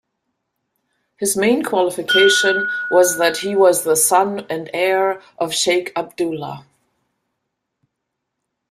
His main qualification was that he was the son and heir of Sheikh Abdullah.